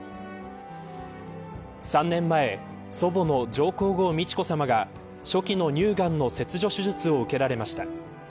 ３年前祖母の上皇后、美智子さまが初期の乳がんの切除手術を受けられました。